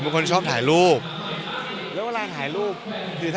นี่น้อยสุดละ